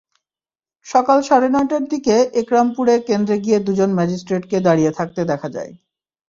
সকাল সাড়ে নয়টার দিকে একরামপুরে কেন্দ্রে গিয়ে দুজন ম্যাজিস্ট্রেটকে দাঁড়িয়ে থাকতে দেখা যায়।